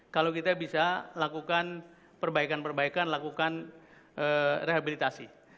kalau kita bisa lakukan perbaikan perbaikan lakukan rehabilitasi